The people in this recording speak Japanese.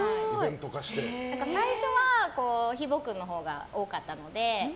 最初はひー坊君のほうが多かったので。